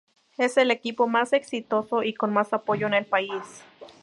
Es el equipo más exitoso y con más apoyo en el país.